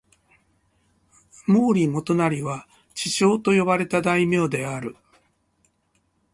毛利元就は智将と呼ばれた大名である。